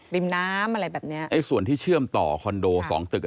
ริมน้ำอะไรแบบเนี้ยไอ้ส่วนที่เชื่อมต่อคอนโดสองตึก